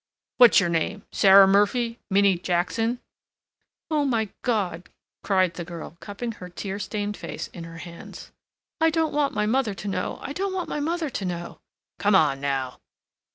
What's your name? Sarah Murphy? Minnie Jackson?" "Oh, my God!" cried the girl cupping her tear stained face in her hands. "I don't want my mother to know. I don't want my mother to know." "Come on now!"